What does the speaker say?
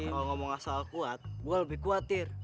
kalau ngomong asal kuat gue lebih khawatir